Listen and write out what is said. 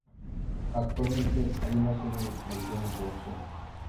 Actualmente hay una serie de televisión en producción.